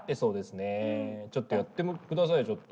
ちょっとやってくださいよちょっと。